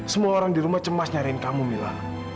semua orang di rumah cemas nyariin kamu mila